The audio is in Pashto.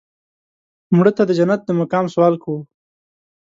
مړه ته د جنت د مقام سوال کوو